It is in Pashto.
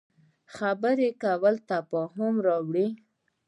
خبرې کول تفاهم راوړي